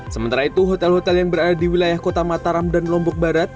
sementara itu hotel hotel yang berada di wilayah kota mataram dan lombok barat